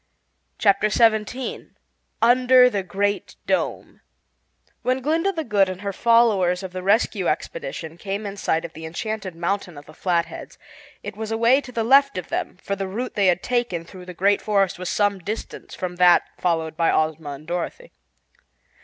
Chapter Seventeen Under the Great Dome When Glinda the Good and her followers of the Rescue Expedition came in sight of the Enchanted Mountain of the Flatheads, it was away to the left of them, for the route they had taken through the Great Forest was some distance from that followed by Ozma and Dorothy.